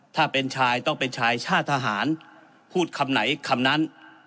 ถ้าเป็นชายต้องเป็นชายชาติทหารพูดคำไหนคำนั้น